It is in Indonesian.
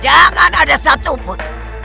jangan ada satupun